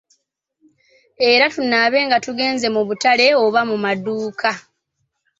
Era tunaabe nga tugenze mu butale oba mu maduuka.